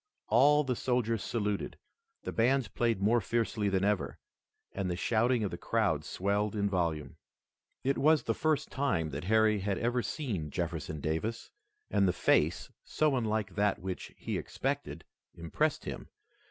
All the soldiers saluted, the bands played more fiercely than ever, and the shouting of the crowd swelled in volume. It was the first time that Harry had ever seen Jefferson Davis, and the face, so unlike that which he expected, impressed him.